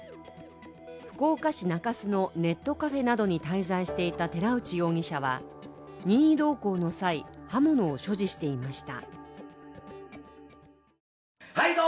福岡市中洲のネットカフェなどに滞在していた寺内容疑者は、任意同行の際、刃物を所持していました。